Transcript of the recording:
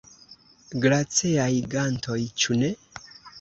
Glaceaj gantoj, ĉu ne?